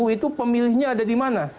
delapan puluh empat itu pemilihnya ada di mana